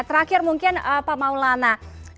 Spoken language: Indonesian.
terakhir mungkin pak maulana